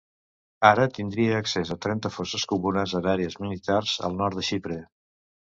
Ara tindria accés a trenta fosses comunes en àrees militars al nord de Xipre.